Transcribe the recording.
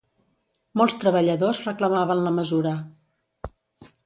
Molts treballadors reclamaven la mesura.